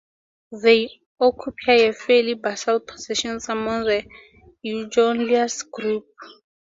They occupy a fairly basal position among the "Eugongylus" group.